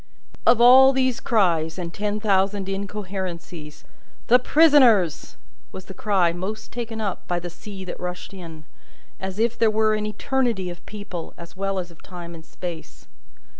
Of all these cries, and ten thousand incoherences, "The Prisoners!" was the cry most taken up by the sea that rushed in, as if there were an eternity of people, as well as of time and space.